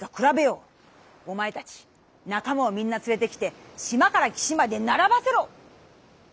おまえたちなか間をみんなつれてきて島からきしまでならばせろ』。